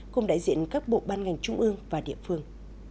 cùng đại diện các bộ ban ngành trung ương và địa phương